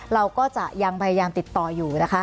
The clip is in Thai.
เราก็จะยังพยายามติดต่ออยู่นะคะ